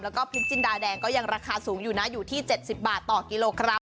แล้วก็พริกจินดาแดงก็ยังราคาสูงอยู่นะอยู่ที่๗๐บาทต่อกิโลกรัม